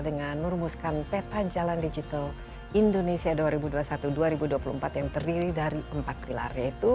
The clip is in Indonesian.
dengan merumuskan peta jalan digital indonesia dua ribu dua puluh satu dua ribu dua puluh empat yang terdiri dari empat pilar yaitu